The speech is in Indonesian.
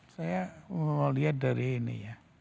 saya melihat dari ini ya